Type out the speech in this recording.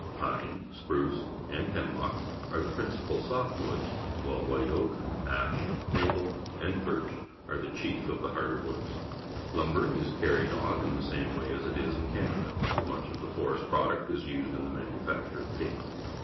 Pine, spruce, and hemlock are the principal soft woods, while white oak, ash , niaple, and Jairch are the chief of the harder woods. Lumbering is carried on in the same way as it is in Canatla. Much of the forest product is used in the manufacture of paper.